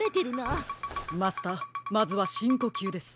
マスターまずはしんこきゅうです。